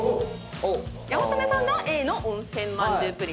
八乙女さんがＡの温泉まんじゅうプリン。